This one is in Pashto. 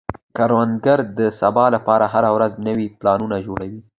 کروندګر د سبا لپاره هره ورځ نوي پلانونه جوړوي